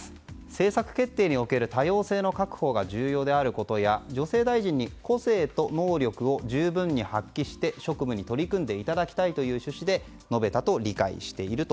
政策決定における多様性の確保が重要であることや女性大臣に個性と能力を十分に発揮して職務に取り組んでいただきたいという趣旨で述べたと理解していると。